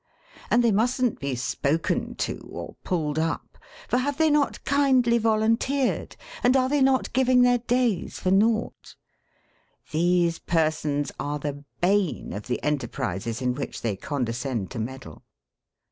And they mustn't be spoken to, or pulled up for have they not kindly volunteered, and are they not giving their days for naught! These persons are the bane of the enterprises in which they condescend to meddle.